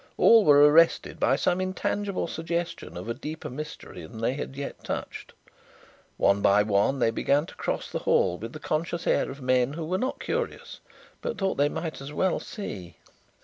All were arrested by some intangible suggestion of a deeper mystery than they had yet touched. One by one they began to cross the hall with the conscious air of men who were not curious but thought that they might as well see.